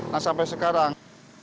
nah sampai sekarang